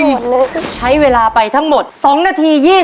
ยังเหลือเวลาทำไส้กรอกล่วงได้เยอะเลยลูก